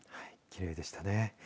きれいでしたね。